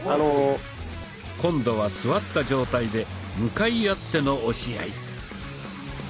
今度は座った状態で向かい合っての押し合い。